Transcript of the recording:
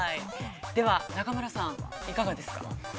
では中村さん、いかがですか。